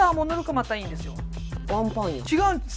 違うんです。